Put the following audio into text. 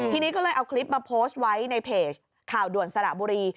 ทีนี้ก็เลยเอาคลิปมาโพสต์ไว้ในเพจข่าวด่วนสระบุรี